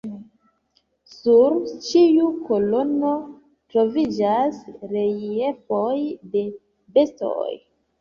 Sur ĉiu kolono troviĝas reliefoj de bestoj.